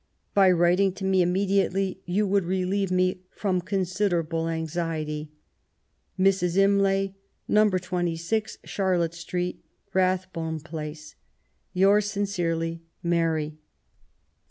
By writmg to me immediately yon wonld relieve me from considerable anxiety. Mrs. Imlay, No. 26 Charlotte Street, Rathbone Place. Tonrs sincerely, BfABT.